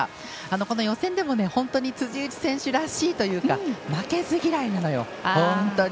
この予選でも辻内選手らしいというか負けず嫌いなのよ、本当に。